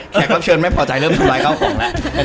แขกรับเชิญไม่พอใจเริ่มทำร้ายข้าวของแล้ว